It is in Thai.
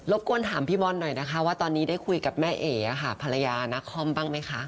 กวนถามพี่บอลหน่อยนะคะว่าตอนนี้ได้คุยกับแม่เอ๋ค่ะภรรยานาคอมบ้างไหมคะ